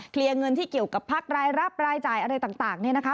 เงินที่เกี่ยวกับพักรายรับรายจ่ายอะไรต่างเนี่ยนะคะ